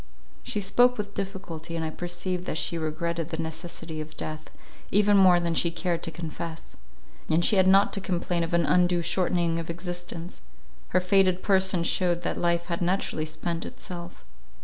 She spoke with difficulty, and I perceived that she regretted the necessity of death, even more than she cared to confess. Yet she had not to complain of an undue shortening of existence; her faded person shewed that life had naturally spent itself.